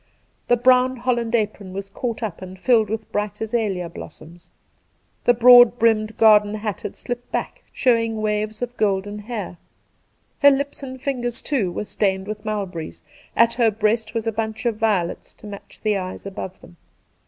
The brown holland apron was caught up and filled with bright azalea blossoms. The broad brimmed garden hat had slipped back, showing waves of golden hair; her lips arid fingers, too, were stained with mulberries ; at her breast was a bunch of violets to match the eyes above them.